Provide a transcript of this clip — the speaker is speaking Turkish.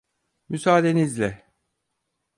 Müsaadenizle.